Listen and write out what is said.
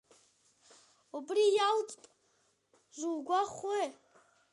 Убри иалҵп зугәахәуеи?